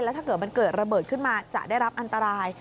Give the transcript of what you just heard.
แล้วถ้าเกิดระเบิดขึ้นมาจะได้รับอันตราย